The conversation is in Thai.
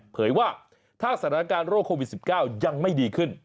เผยว่าถ้าสถานการณ์โรคโควิด๑๙ยังไม่ดีขึ้น